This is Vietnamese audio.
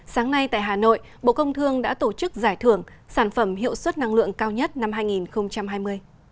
sáng nay tại hà nội bộ công thương đã tổ chức giải thưởng sản phẩm hiệu suất năng lượng cao nhất năm hai nghìn hai mươi